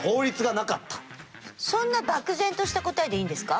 そんな漠然とした答えでいいんですか？